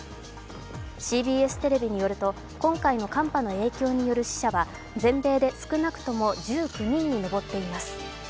ＣＢＳテレビによると今回の寒波の影響による死者は全米で少なくとも１９人に上っています。